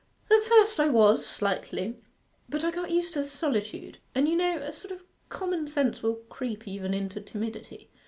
'At first I was, slightly. But I got used to the solitude. And you know a sort of commonsense will creep even into timidity.